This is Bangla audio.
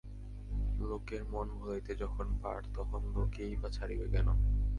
লোকের মন ভুলাইতে যখন পার তখন লোকেই বা ছাড়িবে কেন।